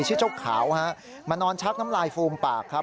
ชื่อเจ้าขาวฮะมานอนชักน้ำลายฟูมปากครับ